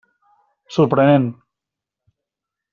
Sorprenent.